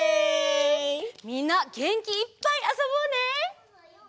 みんなげんきいっぱいあそぼうね！